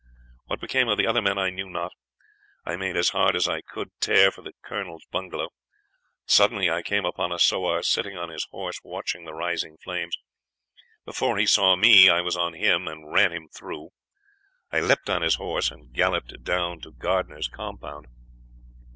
What became of the other men I knew not; I made as hard as I could tear for the colonel's bungalow. Suddenly I came upon a sowar sitting on his horse watching the rising flames. Before he saw me I was on him, and ran him through. I leapt on his horse and galloped down to Gardiner's compound.